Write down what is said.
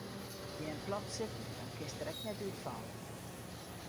Gean plat sitten dan kinst der ek net útfalle.